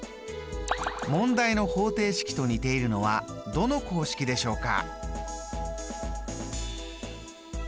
問題の方程式と似ているのはどの公式でしょうか？